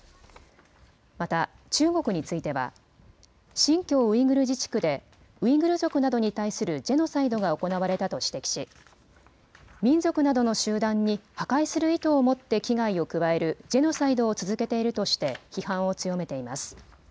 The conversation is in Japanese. また中国については新疆ウイグル自治区でウイグル族などに対するジェノサイドが行われたと指摘し民族などの集団に破壊する意図を持って危害を加えるジェノサイドを続けているとして批判を強めています。